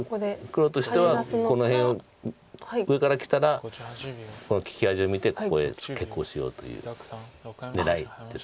黒としてはこの辺上からきたらこの利き味を見てここへツケコシをという狙いです。